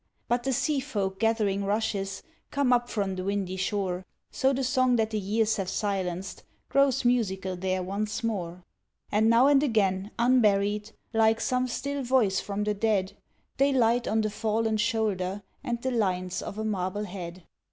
But the sea folk gathering rushes come up from the windy shore, So the song that the years have silenced grows musical there once more; And now and again unburied, like some still voice from the dead, They light on the fallen shoulder and the lines of a marble head.